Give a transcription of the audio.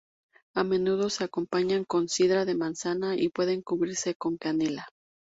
A menudo se acompañan con sidra de manzana y puede cubrirse con canela.